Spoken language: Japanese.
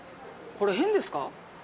これ変ですか？